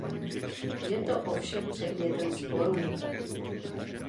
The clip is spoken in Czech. Je to ovšem předmětem sporů.